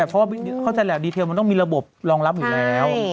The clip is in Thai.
เพราะว่าเข้าใจแหละดีเทลมันต้องมีระบบรองรับอยู่แล้ว